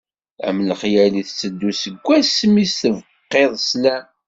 Am lexyal i tetteddu seg asmi s-tbeqqiḍ sslam.